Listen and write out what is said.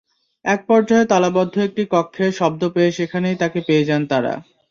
একপর্যায়ে তালাবদ্ধ একটি কক্ষে শব্দ পেয়ে সেখানেই তাঁকে পেয়ে যান তাঁরা।